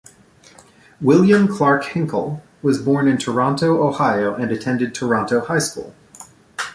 William Clarke Hinkle was born in Toronto, Ohio and attended Toronto High School.